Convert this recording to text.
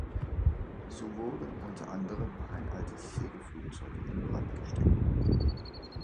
So wurde unter anderem ein altes Segelflugzeug in Brand gesteckt.